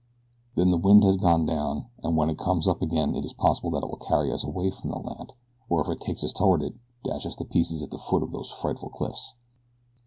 Then the wind has gone down, and when it comes up again it is possible that it will carry us away from the land, or if it takes us toward it, dash us to pieces at the foot of those frightful cliffs."